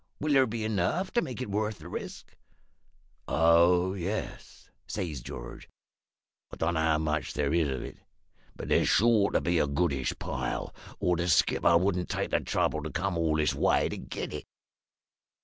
will there be enough to make it worth the risk?' "`Oh yes,' says George. `I don't know how much there is of it, but there's sure to be a goodish pile, or the skipper wouldn't take the trouble to come all this way to get it.'